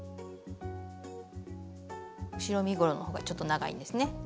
後ろ身ごろのほうがちょっと長いんですね。